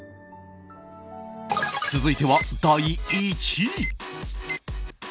続いては第１位。